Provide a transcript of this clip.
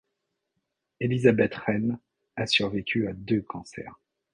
Elisabeth Rehn a survécu à deux cancers.